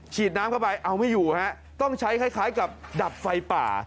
ฉีดน้ำเข้าไปเอาไม่อยู่ฮะต้องใช้คล้ายกับดับไฟป่า